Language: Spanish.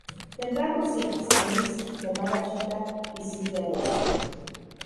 Tendrán dos hijas: Elisa, llamada "Chita", y Sylvia Luz.